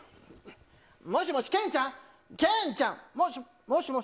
もしもし、けんちゃん、けんちゃん、もしもし。